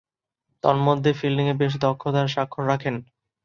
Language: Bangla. তন্মধ্যে, ফিল্ডিংয়ে বেশ দক্ষতার স্বাক্ষর রাখেন।